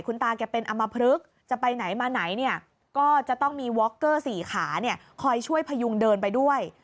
คุณตาแกเป็นอำมพลึกจะไปไหนมาไหนเนี่ยก็จะต้องมีว็อกเกอร์สี่ขาเนี่ยคอยช่วยพยุงเดินไปด้วย